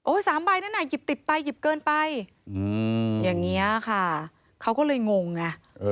สามใบนั่นน่ะหยิบติดไปหยิบเกินไปอย่างนี้ค่ะเขาก็เลยงงไง